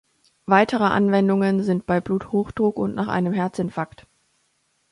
Weitere Anwendungen sind bei Bluthochdruck und nach einem Herzinfarkt.